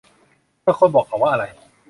เธอควรบอกเขาว่าอะไร